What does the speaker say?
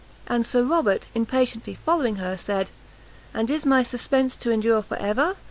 And Sir Robert, impatiently following her, said "And is my suspense to endure for ever?